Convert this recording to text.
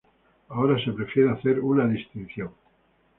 Ahora se prefiere hacer una distinción.